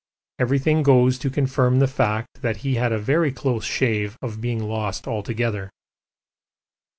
Everything goes to confirm the fact that he had a very close shave of being lost altogether.